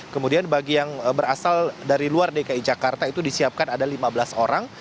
kemudian bagi yang berasal dari luar dki jakarta itu disiapkan ada lima belas orang